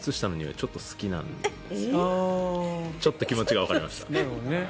ちょっと気持ちがわかりました。